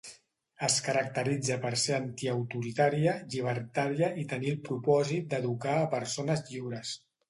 Es caracteritza per ser antiautoritària, llibertària i tenir el propòsit d'educar a persones lliures.